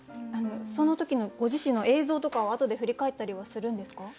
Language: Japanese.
その時のご自身の映像とかはあとで振り返ったりはするんですか？